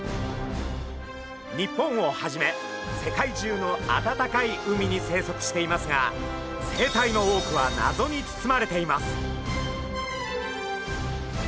日本をはじめ世界中の暖かい海に生息していますが生態の多くは謎につつまれています。